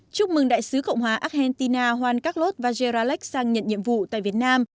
chúc mừng đại sứ cộng hòa argentina juan carlos vajeralek sang nhận nhiệm vụ tại việt nam